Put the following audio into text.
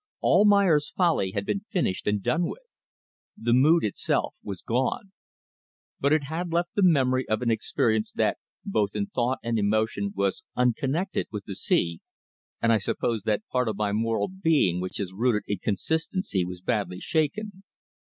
"Almayer's Folly," had been finished and done with. The mood itself was gone. But it had left the memory of an experience that, both in thought and emotion was unconnected with the sea, and I suppose that part of my moral being which is rooted in consistency was badly shaken.